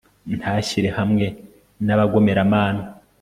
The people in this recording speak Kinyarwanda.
ntashyire hamwe n'abagomeramana